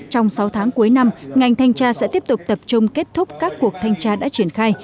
trong sáu tháng cuối năm ngành thanh tra sẽ tiếp tục tập trung kết thúc các cuộc thanh tra đã triển khai